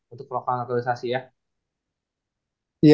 untuk local naturalisasi ya